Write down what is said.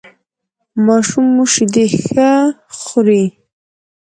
ماشوم مو شیدې ښه خوري؟